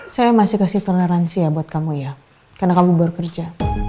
saya masih kasih toleransi ya buat kamu ya karena kamu baru kerja